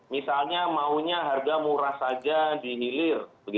misalnya maunya harga murah saja dihilir